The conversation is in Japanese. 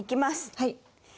はい。